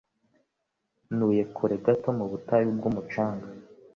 Ntuye kure gato mu butayu bw'umucanga